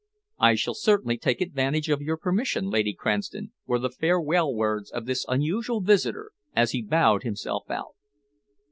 "I shall certainly take advantage of your permission, Lady Cranston," were the farewell words of this unusual visitor as he bowed himself out.